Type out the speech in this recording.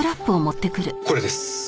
これです。